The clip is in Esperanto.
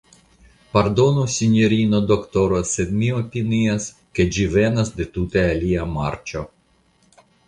Pardonu, sinjoro doktoro, sed mi opinias, ke ĝi venas de tute alia marĉo.